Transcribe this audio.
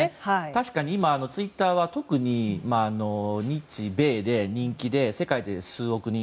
確かに今ツイッターは日米で人気で世界で数億人。